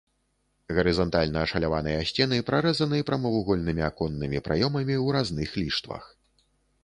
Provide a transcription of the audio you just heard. Гарызантальна ашаляваныя сцены прарэзаны прамавугольнымі аконнымі праёмамі ў разных ліштвах.